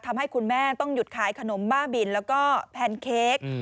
ทำให้คุณแม่ต้องหยุดขายขนมบ้าบินแล้วก็แพนเค้ก